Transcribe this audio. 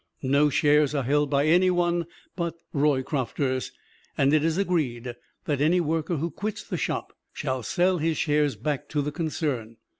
No shares are held by any one but Roycrofters, and it is agreed that any worker who quits the Shop shall sell his shares back to the concern.